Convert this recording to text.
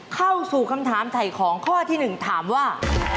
เข้าสู่คำถามไถ่ของข้อที่หนึ่งถามว่า